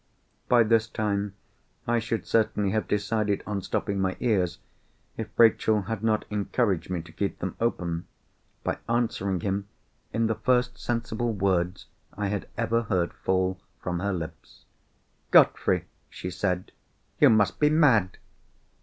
By this time I should certainly have decided on stopping my ears, if Rachel had not encouraged me to keep them open, by answering him in the first sensible words I had ever heard fall from her lips. "Godfrey!" she said, "you must be mad!"